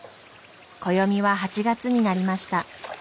暦は８月になりました。